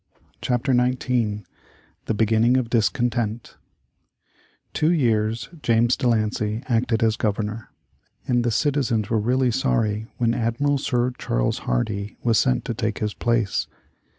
CHAPTER XIX THE BEGINNING of DISCONTENT Two years James De Lancey acted as Governor, and the citizens were really sorry when Admiral Sir Charles Hardy was sent to take his place.